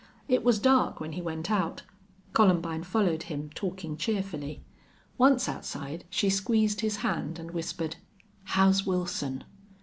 It was dark when he went out. Columbine followed him, talking cheerfully. Once outside she squeezed his hand and whispered, "How's Wilson?"